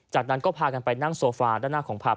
จากนั้นก็พากันไปนั่งโซฟาด้านหน้าของผับ